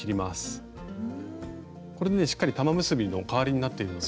これでねしっかり玉結びの代わりになっているので。